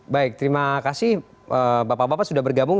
baik terima kasih bapak bapak sudah bergabung